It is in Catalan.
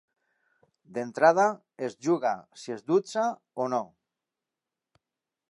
D'entrada, es juga si es dutxa o no.